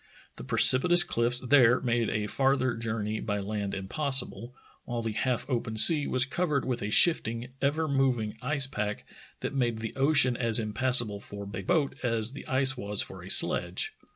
The precipitous cliffs there made a farther journey by land impossible, while the half open sea was covered with a shifting, ever moving ice pack that made the ocean as impassa ble for a boat as the ice was for a sledge.